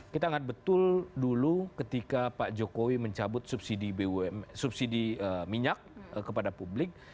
kita ingat betul dulu ketika pak jokowi mencabut subsidi minyak kepada publik